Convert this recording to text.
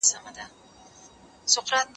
کوز په ټوخي نه ورکېږي.